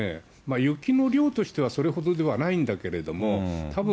雪の量としては、それほどではないんだけれども、たぶん、